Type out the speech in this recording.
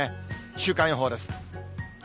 週間予報です。